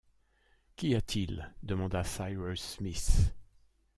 Qu’y a-t-il ? demanda Cyrus Smith.